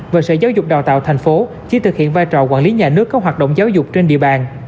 và sở giáo dục đào tạo thành phố chỉ thực hiện vai trò quản lý nhà nước có hoạt động giáo dục trên địa bàn